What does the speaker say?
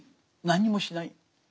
何もしない。